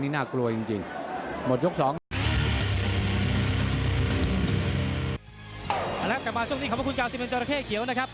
ติดคอติดคอไม่ของคอสักละ